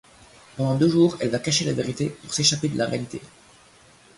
Pendant deux jours, elle va cacher la vérité pour s’échapper de la réalité...